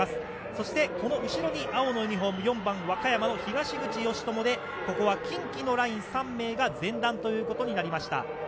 そしてこの後ろに青のユニホーム、４番和歌山の東口善朋で、ここは近畿のライン３名が前段ということになりました。